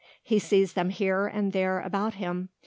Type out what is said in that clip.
He sees them here and there about him.